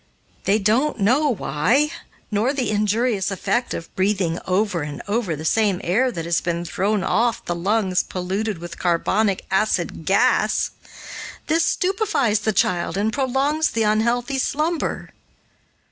They don't know why, nor the injurious effect of breathing over and over the same air that has been thrown off the lungs polluted with carbonic acid gas. This stupefies the child and prolongs the unhealthy slumber.